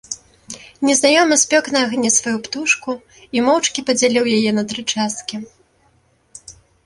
Незнаёмы спёк на агні сваю птушку і моўчкі падзяліў яе на тры часткі.